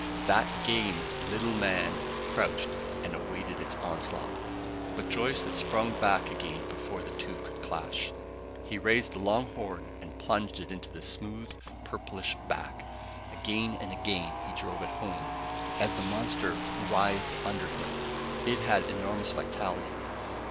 That game little man crouched and awaited its onslaught. But Joyce had sprung back again before the two could clash. He raised the long horn and plunged it into the smooth, purplish back. Again and again he drove it home, as the monster writhed under him. It had enormous vitality.